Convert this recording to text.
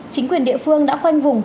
chính quyền địa phương đã khoanh vùng